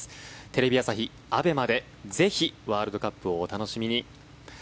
テレビ朝日、ＡＢＥＭＡでぜひワールドカップをお楽しみに。